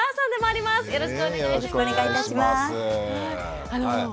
よろしくお願いします。